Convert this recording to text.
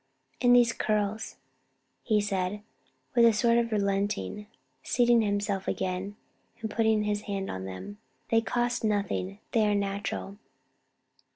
"And these curls?" he said, with a sort of relenting, seating himself again, and putting his hand on them. "They cost nothing they are natural."